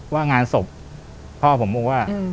ว่างานศพพ่อผมบอกว่า